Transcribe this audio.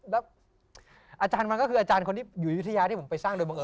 แล้วอาจารย์มันก็คืออาจารย์คนที่อยู่อยุธยาที่ผมไปสร้างโดยบังเอ